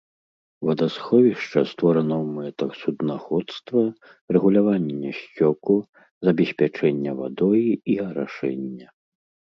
Вадасховішча створана ў мэтах суднаходства, рэгулявання сцёку, забеспячэння вадой і арашэння.